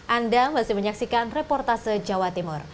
anda masih menyaksikan reportase jawa timur